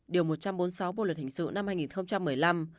điều một trăm bốn mươi sáu bộ luật hình sự năm hai nghìn một mươi năm